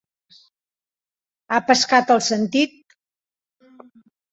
Ha pescat el sentit.